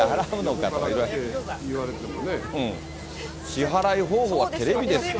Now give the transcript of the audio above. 支払い方法はテレビですって。